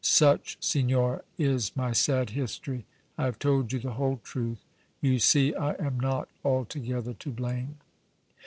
Such, signora, is my sad history. I have told you the whole truth. You see I am not altogether to blame."